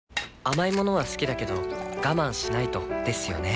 甘い物は好きだけど我慢しないとですよね